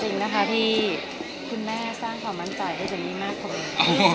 จริงนะคะที่คุณแม่สร้างความมั่นใจให้เจมมี่มากกว่านี้